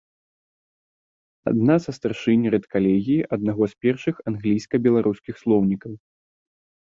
Адна са старшынь рэдкалегіі аднаго з першых англійска-беларускіх слоўнікаў.